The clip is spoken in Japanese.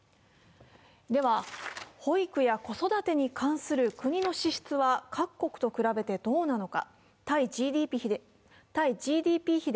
では、保育や子育てに関する国の支出は各国と比べてどうなのか。